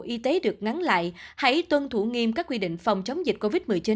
y tế được ngắn lại hãy tuân thủ nghiêm các quy định phòng chống dịch covid một mươi chín